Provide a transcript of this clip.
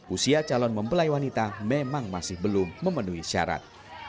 usia calon mempelaiwanita memang masih belum memenuhi syarat